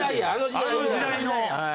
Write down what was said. あの時代の。